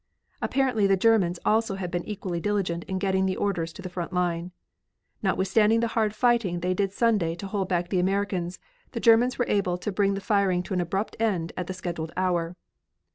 Apparently the Germans also had been equally diligent in getting the orders to the front line. Notwithstanding the hard fighting they did Sunday to hold back the Americans, the Germans were able to bring the firing to an abrupt end at the scheduled hour.